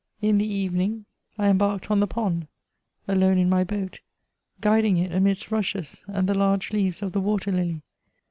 In the evening I embarked on the pond, alone in my boat, guiding it amidst rushes and the large leaves of the water lily.